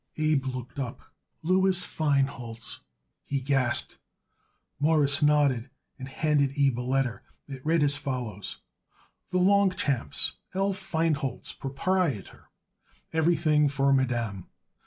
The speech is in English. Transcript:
Abe looked up. "Louis Feinholz!" he gasped. Morris nodded and handed Abe a letter. It read as follows: THE LONGCHAMPS L. FEINHOLZ, PROPRIETOR "EVERYTHING FOR MADAME...."